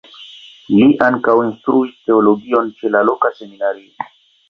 Li ankaŭ instruis teologion ĉe la loka seminario.